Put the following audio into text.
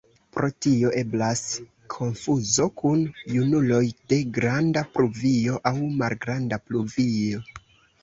Pro tio eblas konfuzo kun junuloj de Granda pluvio aŭ Malgranda pluvio.